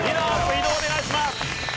移動お願いします。